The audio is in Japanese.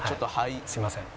すいません。